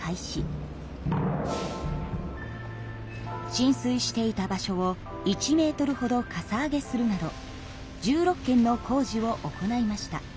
浸水していた場所を１ｍほどかさ上げするなど１６件の工事を行いました。